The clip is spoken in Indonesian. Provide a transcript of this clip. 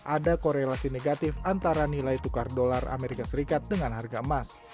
ada korelasi negatif antara nilai tukar dolar amerika serikat dengan harga emas